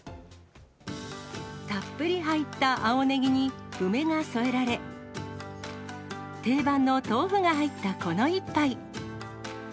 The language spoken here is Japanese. たっぷり入った青ネギに梅が添えられ、定番の豆腐が入ったこの一杯。